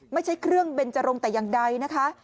ไม่ใช่เครื่องเบนจรงแต่อย่างใดนะคะ